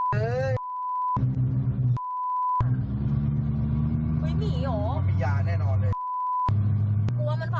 พบว่าปัสสาวะสีม่วงเสพยามา